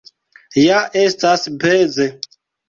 Ja estas peze!